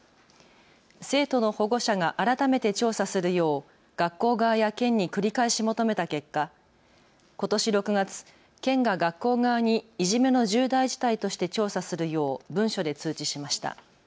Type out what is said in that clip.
生徒の保護者が改めて調査するよう学校側や県に繰り返し求めた結果、ことし６月、県が学校側にいじめの重大事態として調査するよう文書で通知しました。